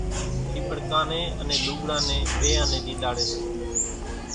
ٺيٻڙڪا نين انين لوڳڙا نين ٻيئان نين زيلاڙي سي